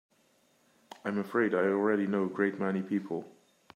I'm afraid I already know a great many people.